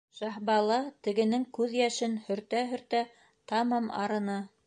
Шаһбала тегенең күҙ йәшен һөртә-һөртә тамам арыны.